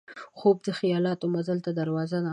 خوب د خیالاتو مزل ته دروازه ده